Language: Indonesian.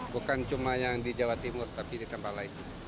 bukan cuma yang di jawa timur tapi di tempat lain